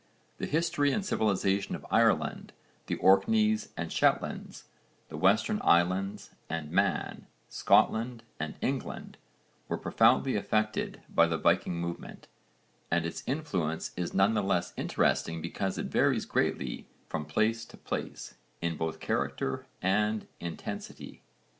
The history and civilisation of Ireland, the Orkneys and Shetlands, the Western Islands and Man, Scotland and England, were profoundly affected by the Viking movement, and its influence is none the less interesting because it varies greatly from place to place, in both character and intensity.